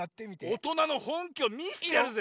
おとなのほんきをみせてやるぜ。